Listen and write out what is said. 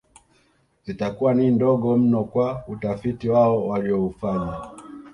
Zitakuwa ni ndogo mno kwa utafiti wao walioufanya